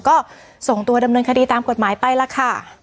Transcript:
ก็ส่งตัวดำเนินคดีตามกฎหมายไปล่ะค่ะ